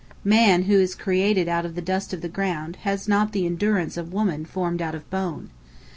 Man, who is created out of the dust of the ground, has not the endurance of woman formed out of bone.